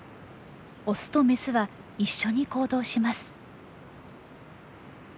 オスとメスは一緒に行動します。